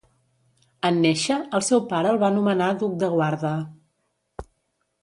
En néixer, el seu pare el va nomenar duc de Guarda.